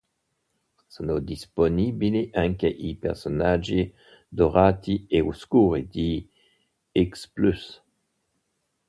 Sono disponibili anche i personaggi dorati e oscuri di X Plus.